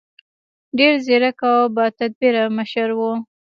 ډېر ځیرک او باتدبیره مشر و.